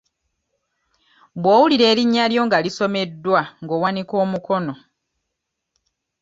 Bw'owulira erinnya lyo nga lisomeddwa nga owanika omukono.